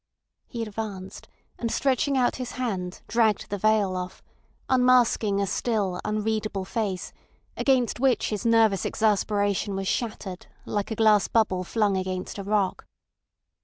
He advanced, and stretching out his hand, dragged the veil off, unmasking a still, unreadable face, against which his nervous exasperation was shattered like a glass bubble flung against a rock.